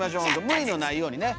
無理のないようにね。